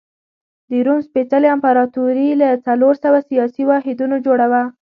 د روم سپېڅلې امپراتوري له څلور سوه سیاسي واحدونو جوړه وه.